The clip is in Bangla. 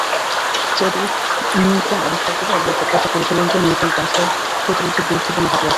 চ্যাডউইক নিউট্রন আবিষ্কার করে এবং প্রত্যাশা করেছিলেন যে নিউট্রন ক্যান্সার প্রতিরোধে গুরুত্বপূর্ণ হাতিয়ার হবে।